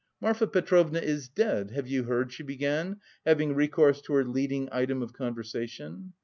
"Marfa Petrovna is dead, have you heard?" she began having recourse to her leading item of conversation.